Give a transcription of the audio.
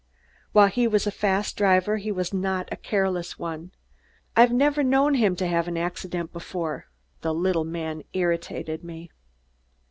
While he was a fast driver, he was not a careless one. I've never known him to have an accident before." The little man irritated me.